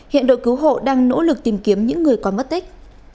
hiện đội cứu hộ đang nỗ lực tìm kiếm những người có mất tích